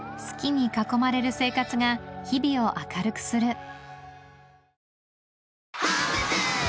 好きに囲まれる生活が日々を明るくする